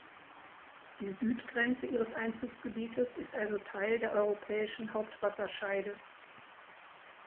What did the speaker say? Die Südgrenze ihres Einzugsgebietes ist also Teil der Europäischen Hauptwasserscheide.